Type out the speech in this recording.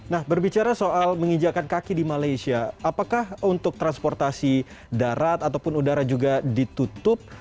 nah berbicara soal menginjakan kaki di malaysia apakah untuk transportasi darat ataupun udara juga ditutup